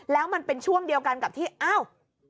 แล้วมันเป็นช่วงเดียวกันกับที่อ้าว